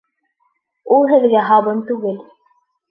Ул һеҙгә һабын түгел!